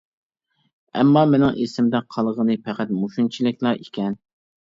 ئەمما مېنىڭ ئېسىمدە قالغىنى پەقەت مۇشۇنچىلىكلا ئىكەن.